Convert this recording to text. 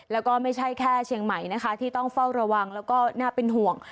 แล้วก็ไม่ใช่แค่เชียงใหม่นะคะที่ต้องเฝ้าระวังแล้วก็น่าเป็นห่วง